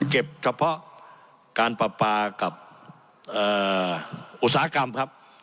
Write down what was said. เก็บเฉพาะการปรับปลากับอาหลักอุตสากรรมครับ